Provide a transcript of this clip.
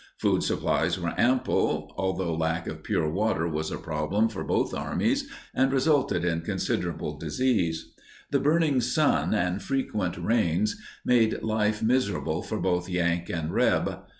Food supplies were ample, although lack of pure water was a problem for both armies and resulted in considerable disease. The burning sun and frequent rains made life miserable for both "Yank" and "Reb."